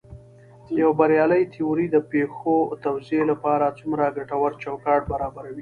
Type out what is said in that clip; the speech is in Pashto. یوه بریالۍ تیوري د پېښو توضیح لپاره ګټور چوکاټ برابروي.